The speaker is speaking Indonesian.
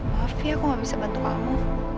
maaf sih aku gak bisa bantu kamu